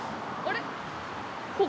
あれ？